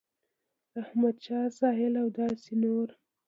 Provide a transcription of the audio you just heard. رحمت شاه ساحل او داسې نور